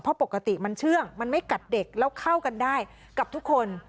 เพราะปกติมันเชื่องมันไม่กัดเด็กแล้วเข้ากันได้กับทุกคน